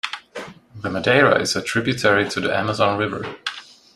The Madeira is a tributary to the Amazon River.